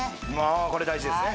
これ大事ですね